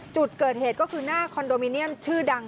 จุดเกิดเหตุก็คือหน้าคอนโดมิเนียมชื่อดัง